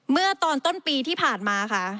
เมื่อตอนต้นปีที่ผ่านมาค่ะ